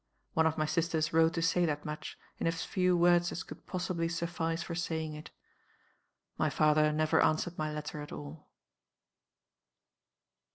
One of my sisters wrote to say that much, in as few words as could possibly suffice for saying it. My father never answered my letter at all."